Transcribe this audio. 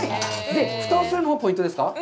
ふたをするのがポイントですか？